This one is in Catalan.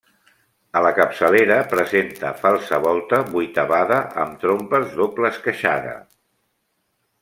A la capçalera presenta falsa volta vuitavada amb trompes doble esqueixada.